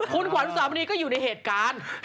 คุณขวัญสามณีก็อยู่ในเหตุการณ์